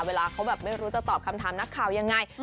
เวลาเขาแบบไม่รู้จะตอบคำถามนักข่าวยังไง